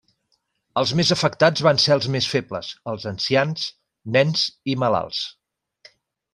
Els més afectats van ser els més febles: els ancians, nens i malalts.